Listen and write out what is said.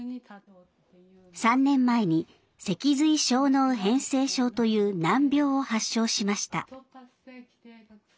３年前に脊髄小脳変性症という難病を発症しました。